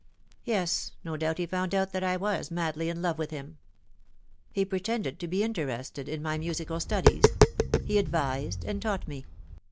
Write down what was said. "Yes, no doubt he found out that I was madly in love with him. He pretended to be interested in my musical studies. He advised and taught me.